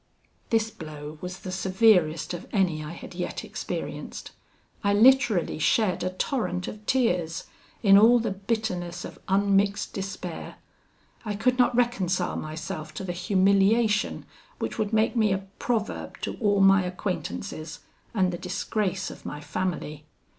"This blow was the severest of any I had yet experienced. I literally shed a torrent of tears, in all the bitterness of unmixed despair; I could not reconcile myself to the humiliation which would make me a proverb to all my acquaintances, and the disgrace of my family.